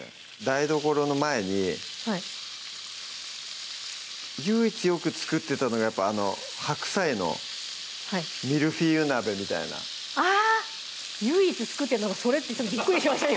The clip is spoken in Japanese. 台所の前に唯一よく作ってたのがあの白菜のミルフィーユ鍋みたいなあぁ唯一作ってるのがそれってちょっとびっくりしました